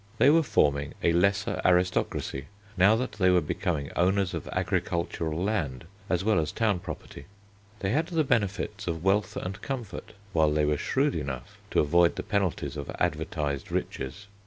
They were forming a lesser aristocracy now that they were becoming owners of agricultural land as well as town property. They had the benefits of wealth and comfort, while they were shrewd enough to avoid the penalties of advertised riches.